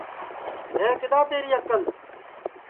ہے کِدؔا تیری اکل